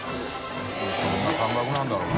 そんな感覚なんだろうね。